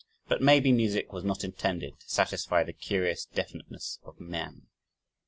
But maybe music was not intended to satisfy the curious definiteness of man.